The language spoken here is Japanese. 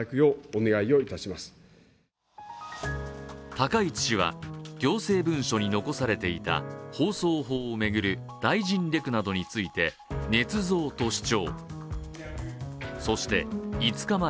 高市氏は行政文書に残されていた放送法を巡る大臣レクなどについてねつ造と主張。